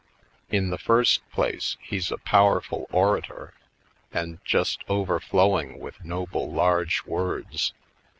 In the first place, he's a powerful orator and just overflowing with noble large words.